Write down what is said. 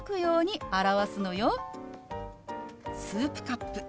「スープカップ」。